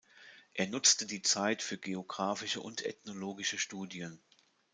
Er nutzte die Zeit für geografische und ethnologische Studien.